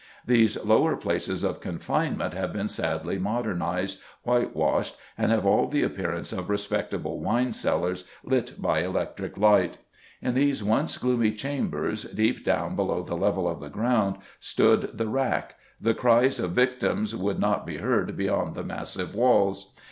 These lower places of confinement have been sadly modernised, white washed, and have all the appearance of respectable wine cellars, lit by electric light. In these once gloomy chambers, deep down below the level of the ground, stood the rack; the cries of victims would not be heard beyond the massive walls.